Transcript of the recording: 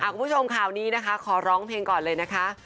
คุณผู้ชมข่าวนี้นะคะขอร้องเพลงก่อนเลยนะคะ